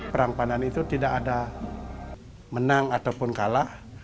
perang pandan itu tidak ada menang ataupun kalah